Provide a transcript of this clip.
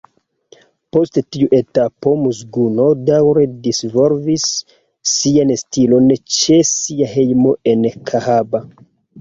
Post tiu etapo Mzuguno daŭre disvolvis sian stilon ĉe sia hejmo en Kahaba.